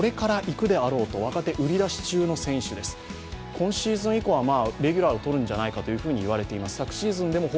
今シーズン以降はレギュラーをとるんじゃないかと言われています。